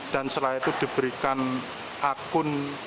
dan setelah itu diberikan akun